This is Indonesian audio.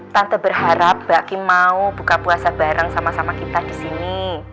tante berharap mbak kim mau buka puasa bareng sama sama kita di sini